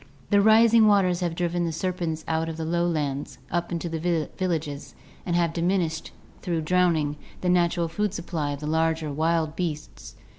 The rising waters have driven the ser pents out of the lowlands, up into the villages, and have diminished, through drowning, the natural food supply of the larger wild beasts.